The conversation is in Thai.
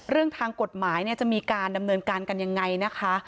เรื่องทางกฎหมายจะมีการดำเนินการกันยังไงนะคะ